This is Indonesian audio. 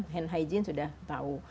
hand hygiene sudah tahu